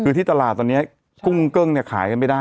คือที่ตลาดตอนนี้กุ้งเกิ้งเนี่ยขายกันไม่ได้